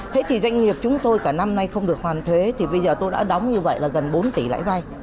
thế thì doanh nghiệp chúng tôi cả năm nay không được hoàn thuế thì bây giờ tôi đã đóng như vậy là gần bốn tỷ lãi vay